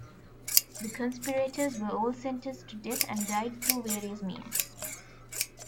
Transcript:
The conspirators were all sentenced to death and died through various means.